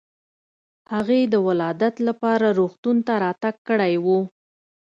هغې د ولادت لپاره روغتون ته راتګ کړی و.